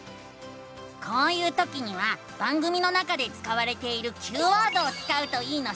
こういうときには番組の中で使われているＱワードを使うといいのさ！